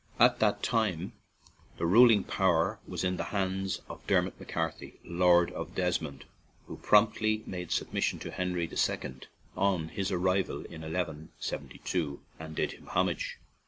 At that time the ruling power was in the hands of Dermot Mc Carthy, Lord of Desmond, who promptly made submission to Henry II. on his ar rival in 1 1 72, and did him homage.